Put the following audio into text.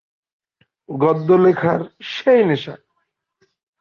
গদ্য লেখার সেই নেশা।